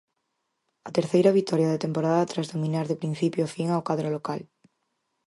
A terceira vitoria da temporada tras dominar de principio a fin ao cadro local.